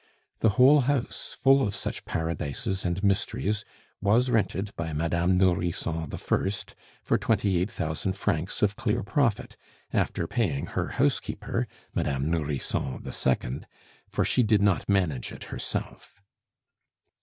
The whole house, full of such paradises and mysteries was rented by Madame Nourrisson the First for twenty eight thousand francs of clear profit, after paying her housekeeper, Madame Nourrisson the Second, for she did not manage it herself.